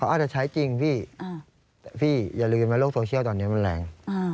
อาจจะใช้จริงพี่แต่พี่อย่าลืมนะโลกโซเชียลตอนนี้มันแรง